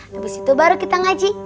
habis itu baru kita ngaji